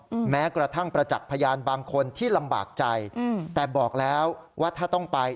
อืมแม้กระทั่งประจักษ์พยานบางคนที่ลำบากใจอืมแต่บอกแล้วว่าถ้าต้องไป